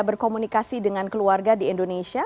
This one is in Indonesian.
berkomunikasi dengan keluarga di indonesia